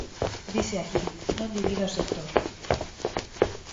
Dise aquí: non divida o sector.